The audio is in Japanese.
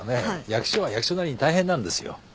役所は役所なりに大変なんですよ。